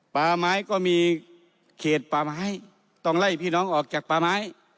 ป่าไม้ก็มีเขตป่าไม้ต้องไล่พี่น้องออกจากป่าไม้